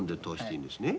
強いんですね